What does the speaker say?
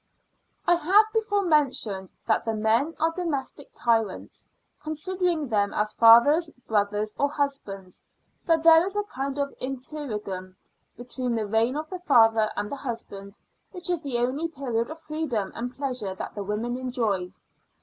I have before mentioned that the men are domestic tyrants, considering them as fathers, brothers, or husbands; but there is a kind of interregnum between the reign of the father and husband which is the only period of freedom and pleasure that the women enjoy.